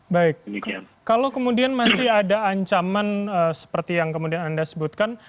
baik kalau kemudian masih ada ancaman seperti yang kemudian anda sebutkan